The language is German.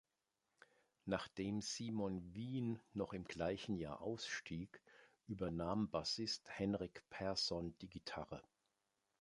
Nachdem Simon Wien noch im gleichen Jahr ausstieg, übernahm Bassist Henrik Persson die Gitarre.